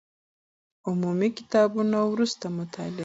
عمومي کتابونه وروسته مطالعه کړئ.